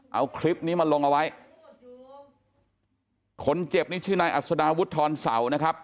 เอาคลิปนี้มาลงเอาไว้คนเจ็บนี่ชื่อนายอัศดาวุฒิธรเสานะครับ